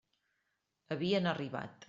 Havien arribat.